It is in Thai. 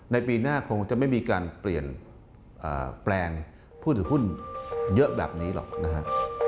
ปีหน้าคงจะไม่มีการเปลี่ยนแปลงผู้ถือหุ้นเยอะแบบนี้หรอกนะฮะ